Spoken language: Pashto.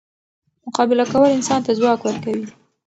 مقابله کول انسان ته ځواک ورکوي.